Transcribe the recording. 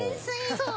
そう。